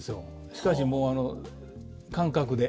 しかしもう感覚で。